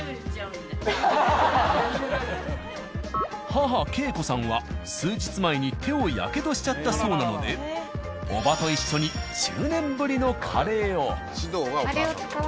母・恵子さんは数日前に手をやけどしちゃったそうなので叔母と一緒に１０年ぶりのカレーを。